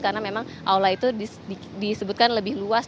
karena memang aula itu disebutkan lebih luas